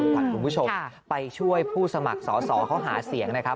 ขวัญคุณผู้ชมไปช่วยผู้สมัครสอสอเขาหาเสียงนะครับ